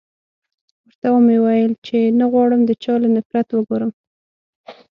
ورته و مې ويل چې نه غواړم د چا له نفرت وګورم.